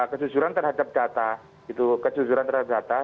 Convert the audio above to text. kejujuran terhadap data gitu kejujuran terhadap data